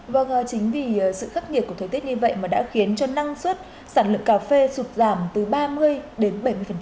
vâng chính vì sự khắc nghiệt của thời tiết như vậy mà đã khiến cho năng suất sản lượng cà phê sụt giảm từ ba mươi đến bảy mươi